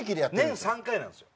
年３回なんすよ。